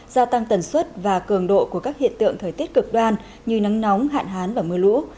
gia tăng tần suất và cường độ của các hiện tượng thời tiết cực đoan như nắng nóng hạn hán và mưa lũ